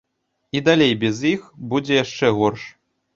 І далей без іх будзе яшчэ горш.